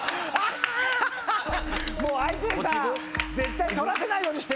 もう相手さ絶対取らせないようにしてるだろ。